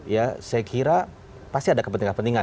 ya saya kira pasti ada kepentingan kepentingan